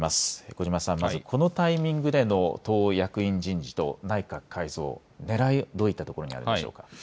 小嶋さん、まずこのタイミングでの党役員人事と内閣改造、ねらい、どういったところにありますでしょうか。